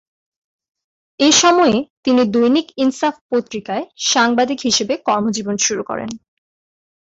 এ সময়ে তিনি 'দৈনিক ইনসাফ' পত্রিকায় সাংবাদিক হিসেবে কর্মজীবন শুরু করেন।